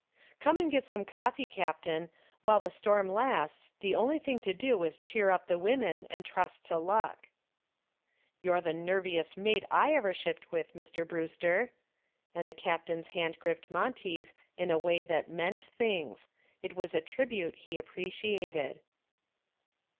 "Come and get some coffee, captain. While the storm lasts the only thing to do is to cheer up the women and trust to luck." "You're the nerviest mate I ever shipped with, Mr. Brewster," and the captain's hand gripped Monty's in a way that meant things. It was a tribute he appreciated.